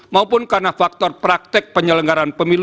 maupun karena faktor praktek penyelenggaraan pemilu